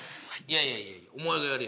いやいやいやいや。